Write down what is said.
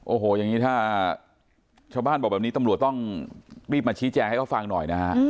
โอ้โหอย่างนี้ถ้าชาวบ้านบอกแบบนี้ตำรวจต้องรีบมาชี้แจงให้เขาฟังหน่อยนะฮะ